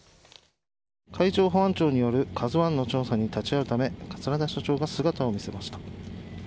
海上保安庁によるＫＡＺＵＩの調査に立ち会うため、桂田社長が姿を見せました。